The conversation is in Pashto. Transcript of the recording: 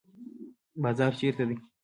بازار چیرته دی؟